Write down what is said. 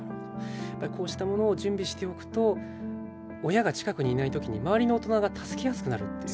こうしたものを準備しておくと親が近くにいない時に周りの大人が助けやすくなるっていう。